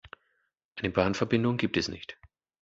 Eine Bahnverbindung gibt es nicht.